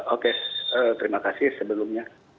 oke terima kasih sebelumnya